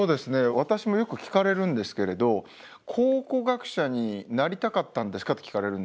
私もよく聞かれるんですけれど「考古学者になりたかったんですか？」って聞かれるんですけど